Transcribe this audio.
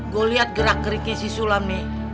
gue liat gerak keringnya si sulam nih